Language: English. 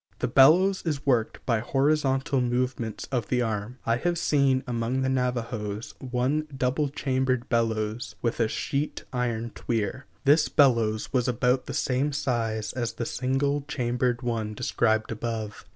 The bellows is worked by horizontal movements of the arm. I have seen among the Navajos one double chambered bellows with a sheet iron tweer. This bellows was about the same size as the single chambered one described above.